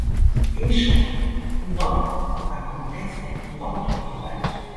Iso non acontece noutros lugares.